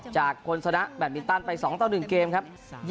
คนชนะแบตมินตันไป๒ต่อ๑เกมครับ